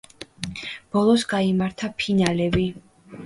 ბოლოს გაიმართა ფინალები.